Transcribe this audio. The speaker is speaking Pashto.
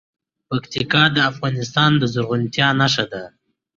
پکتیکا د افغانستان د زرغونتیا نښه ده.